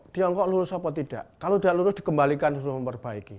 tiongkok lulus apa tidak kalau tidak lulus dikembalikan untuk memperbaiki